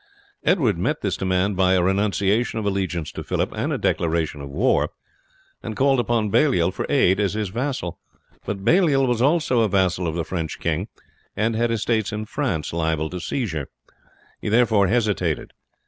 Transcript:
Edward met this demand by a renunciation of allegiance to Phillip and a declaration of war, and called upon Baliol for aid as his vassal; but Baliol was also a vassal of the French king, and had estates in France liable to seizure. He therefore hesitated.